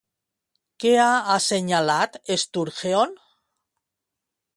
Què ha assenyalat Sturgeon?